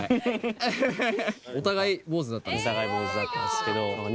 お互い坊主だったんですよ。